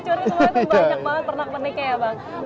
semua itu banyak banget penak peniknya ya bang